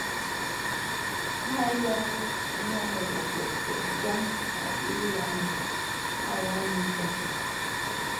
Taa yaawu manugo goɗɗo jaŋgo a dulla no a wajirta mo.